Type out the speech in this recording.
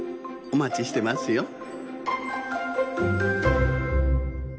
おまちしてますよ。